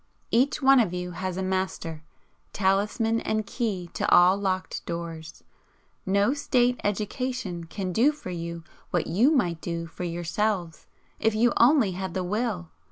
Each one of you has a master talisman and key to all locked doors. No State education can do for you what you might do for yourselves, if you only had the WILL.